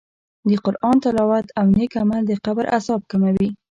د قرآن تلاوت او نېک عمل د قبر عذاب کموي.